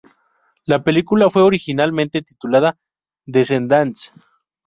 La película fue originalmente titulada "Descendants".